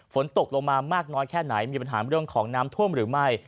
ฝนตกลงมามากน้อยแค่ไหนมีปัญหาเรื่องของน้ำท่วมหรือไม่